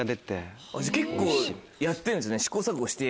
結構やってんですね試行錯誤して。